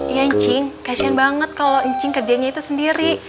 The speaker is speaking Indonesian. iya ncing kasian banget kalau ncing kerjanya itu sendiri